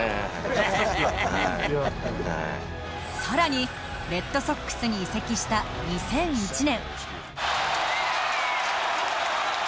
更にレッドソックスに移籍した２００１年。